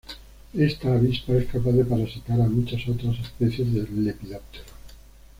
Esta avispa es capaz de parasitar a muchas otras especies de lepidópteros.